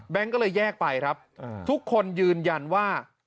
ก็เลยแยกไปครับทุกคนยืนยันว่า